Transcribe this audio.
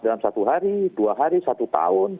dalam satu hari dua hari satu tahun